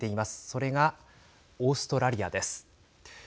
それが、オーストラリアです。